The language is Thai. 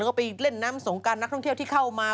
ก็ไปเล่นน้ำสงการนักท่องเที่ยวที่เข้ามา